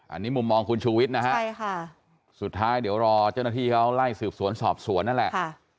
อันนี้มุมมองคุณชูวิทย์นะฮะใช่ค่ะสุดท้ายเดี๋ยวรอเจ้าหน้าที่เขาไล่สืบสวนสอบสวนนั่นแหละ